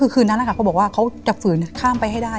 คืนนั้นนะคะเขาบอกว่าเขาจะฝืนข้ามไปให้ได้